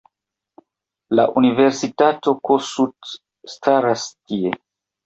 La Universitato Kossuth staras tie.